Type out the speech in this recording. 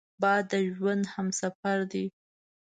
باد د ژوند همسفر دی